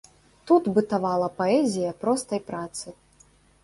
Тут бытавала паэзія простай працы.